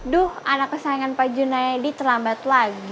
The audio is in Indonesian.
duh anak kesayangan pak junaidi terlambat lagi